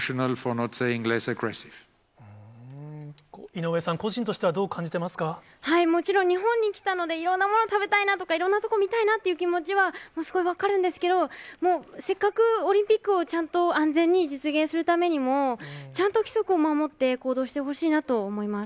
井上さん、個人としてはどうもちろん、日本に来たので、いろんなものを食べたいなとか、いろんな所見たいなっていう気持ちは、すごい分かるんですけど、もうせっかくオリンピックをちゃんと安全に実現するためにも、ちゃんと規則を守って行動してほしいなと思います。